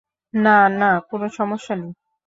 না, না, কোন সমস্যা নেই।